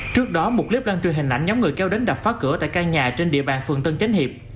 trước đó một clip đăng truyền hình ảnh nhóm người kêu đến đập phá cửa tại căn nhà trên địa bàn phường tân chánh hiệp